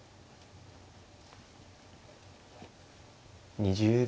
２０秒。